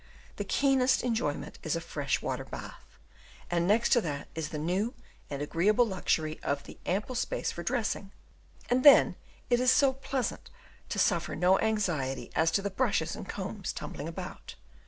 The keenest enjoyment is a fresh water bath, and next to that is the new and agreeable luxury of the ample space for dressing; and then it is so pleasant to suffer no anxiety as to the brushes and combs tumbling about.